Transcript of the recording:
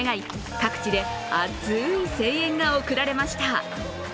各地で熱い声援が送られました。